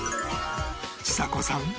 ちさ子さん